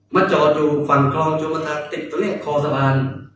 มาจอดอยู่ฝั่งคลองชุมภาษาติดตรงนี้คอสะพาน